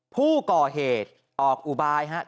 ผู้ก่อเหตุออกอุบายครับ